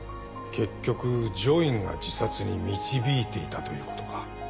結局『ジョイン』が自殺に導いていたということか。